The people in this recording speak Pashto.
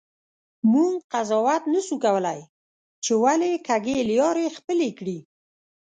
مونږ قضاوت نسو کولی چې ولي کږې لیارې خپلي کړي.